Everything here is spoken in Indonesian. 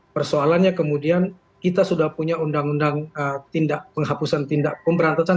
persoalannya kemudian kita sudah punya undang undang tindak penghapusan tindak pemberantasan